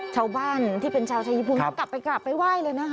ชาวบ้านที่เป็นชาวชายญี่ปุ่นกลับไปว่ายเลยนะครับ